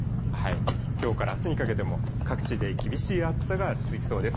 きょうからあすにかけても、各地で厳しい暑さが続きそうです。